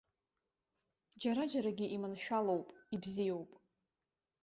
Џьара-џьарагьы иманшәалоуп, ибзиоуп.